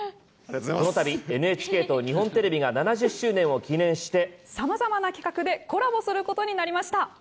このたびＮＨＫと日本テレビさまざまな企画でコラボすることになりました。